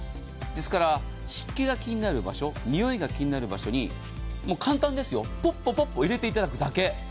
ですから、湿気が気になる場所臭いが気になる場所にポッポ入れていただくだけ。